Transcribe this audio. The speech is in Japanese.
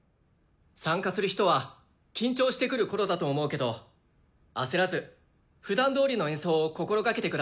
参加する人は緊張してくるころだと思うけど焦らずふだんどおりの演奏を心がけてください。